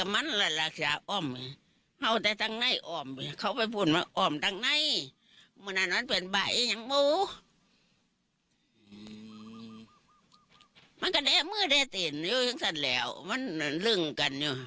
มันก็ได้เมื่อได้เต้นอยู่อย่างนั้นแล้วมันลึ่งกันอยู่